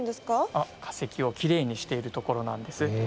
かせきをきれいにしているところなんです。